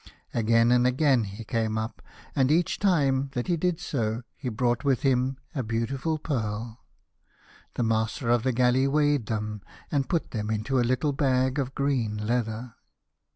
Again and kgain he came up, and each time that he did so he brought with him a beautiful pearl. The master of the galley weighed them, and put them into a little bag of green leather.